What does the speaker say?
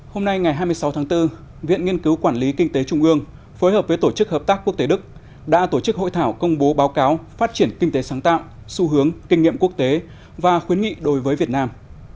hôm nay ngày hai mươi sáu tháng bốn viện nghiên cứu quản lý kinh tế trung ương phối hợp với tổ chức hợp tác quốc tế đức đã tổ chức hội thảo công bố báo cáo phát triển kinh tế sáng tạo xu hướng kinh nghiệm quốc tế và khuyến nghị đối với việt nam